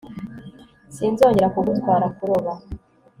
Sinzongera kugutwara kuroba